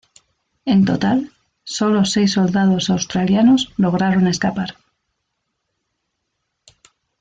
En total, sólo seis soldados australianos lograron escapar.